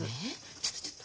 ちょっとちょっと。